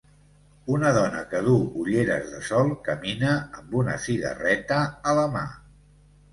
Una dona que duu ulleres de sol camina amb una cigarreta a la mà.